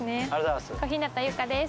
小日向ゆかです。